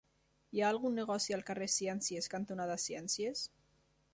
Hi ha algun negoci al carrer Ciències cantonada Ciències?